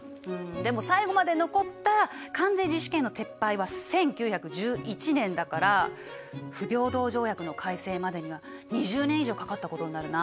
でも最後まで残った関税自主権の撤廃は１９１１年だから不平等条約の改正までには２０年以上かかったことになるな。